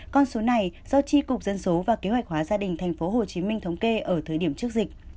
con số này do tri cục dân số và kế hoạch hóa gia đình thành phố hồ chí minh thống kê ở thời điểm trước dịch